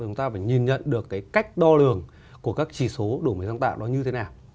chúng ta phải nhìn nhận được cái cách đo lường của các chỉ số đổi mới sáng tạo đó như thế nào